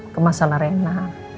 ke masalah rena